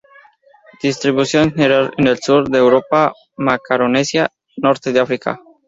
Distribución general en el Sur de Europa, Macaronesia, Norte de África.